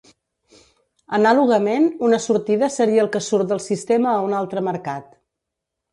Anàlogament, una sortida seria el que surt del sistema a un altre mercat.